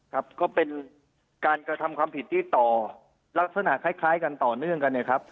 ครับก็เป็นการกระทำความผิดที่ต่อลักษณะคล้ายกันต่อเนื่องกันเนี่ยครับ